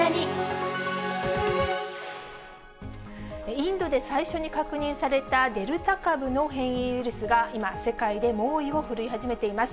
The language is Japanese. インドで最初に確認されたデルタ株の変異ウイルスが今、世界で猛威を振るい始めています。